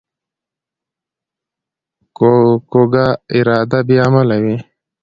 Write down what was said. کوږه اراده بې عمله وي